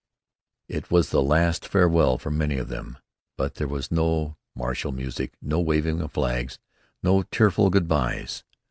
It was the last farewell for many of them, but there was no martial music, no waving of flags, no tearful good byes.